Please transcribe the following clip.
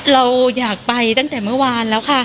เราอยากไปตั้งแต่เมื่อวานแล้วค่ะ